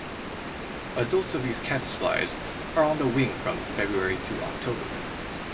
Adults of these caddisflies are on the wing from February to October.